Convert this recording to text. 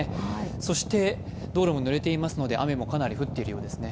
そして道路もぬれていますので雨もかなり降っているようですね。